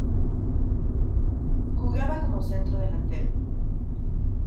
Jugaba como centro delantero.